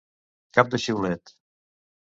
Cap de xiulet.